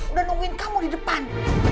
udah nungguin kamu di depan